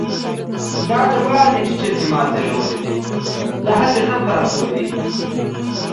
دا درواغ دي چې چرګې مار زېږولی دی؛ داهسې خم خراپ شوی دی.